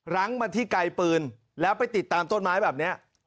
ั้งมาที่ไกลปืนแล้วไปติดตามต้นไม้แบบนี้